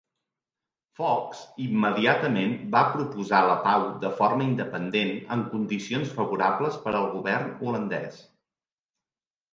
Fox immediatament va proposar la pau de forma independent en condicions favorables per al govern holandès.